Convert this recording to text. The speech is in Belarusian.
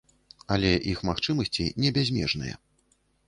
Але іх магчымасці не бязмежныя.